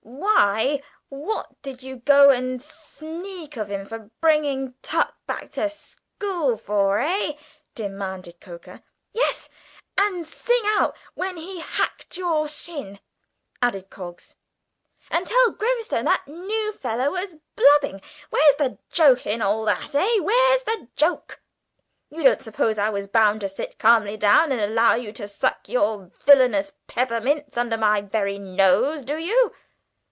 "Why, what did you go and sneak of him for bringing tuck back to school for, eh?" demanded Coker. "Yes, and sing out when he hacked your shin?" added Coggs; "and tell Grimstone that new fellow was blubbing? Where's the joke in all that, eh? Where's the joke?" "You don't suppose I was bound to sit calmly down and allow you to suck your villainous peppermints under my very nose, do you?"